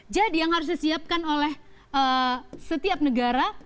jadi yang harus disiapkan oleh setiap negara